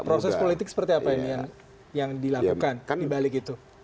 nah proses politik seperti apa ini yang dilakukan di balik itu